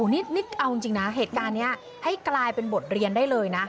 นี่เอาจริงนะเหตุการณ์นี้ให้กลายเป็นบทเรียนได้เลยนะ